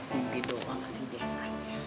mimpi doang sih biasa